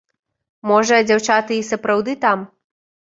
Можа, дзяўчаты і сапраўды там.